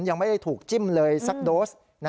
ยังไม่ได้ถูกจิ้มเลยสักโดส